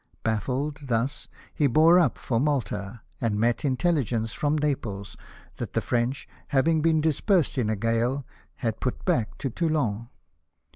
Baflled thus he bore up for Malta, and met intelli gence from Naples that the French, havmg been dispersed in a gale, had put back to Toulon.